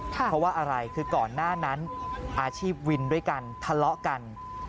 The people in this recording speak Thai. เพราะว่าอะไรคือก่อนหน้านั้นอาชีพวินด้วยกันทะเลาะกัน